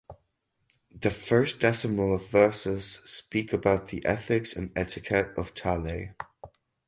The first decimal of verses speak about the ethics and etiquette of Taleh.